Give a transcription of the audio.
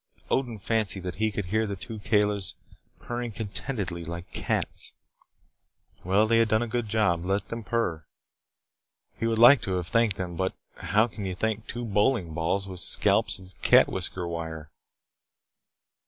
Odin fancied that he could hear the two Kalis purring contentedly like cats. Well, they had done a good job. Let them purr. He would like to have thanked them, but how can you thank two bowling balls with scalps of cat's whisker wire?